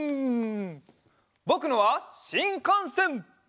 ぼくのはしんかんせん！